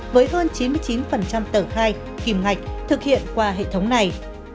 với hơn chín mươi chín tờ khai kìm ngạch thực hiện qua hệ thống này